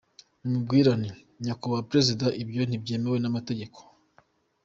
Namubwira nti nyakubahwa Perezida ibyo ntibyemewe n’amategeko.